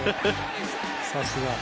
さすが。